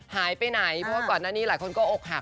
หายไปไหนเพราะว่าก่อนหน้านี้หลายคนก็อกหัก